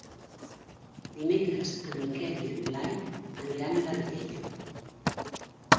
Dimecres en Miquel i en Blai iran a Garriguella.